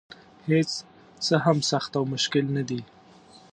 هېڅ څه هم سخت او مشکل نه دي.